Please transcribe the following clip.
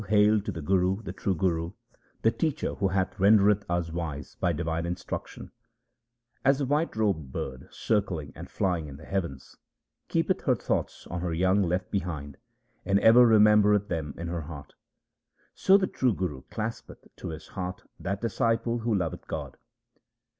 hail to the Guru, the true Guru, the teacher who hath rendered us wise by divine instruction ! As the white robed bird 1 circling and flying in the heavens Keepeth her thoughts on her young left behind, and ever remembereth them in her heart, So the true Guru claspeth to his heart that disciple who loveth God.